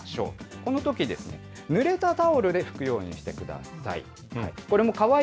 このとき、ぬれたタオルで拭くようにしてください。